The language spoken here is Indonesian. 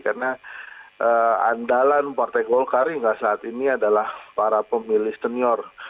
karena andalan partai golkar hingga saat ini adalah para pemilih senior